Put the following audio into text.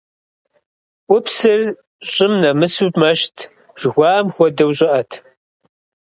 Ӏупсыр щӀым нэмысыу мэщт жыхуаӏэм хуэдэу щӏыӏэт.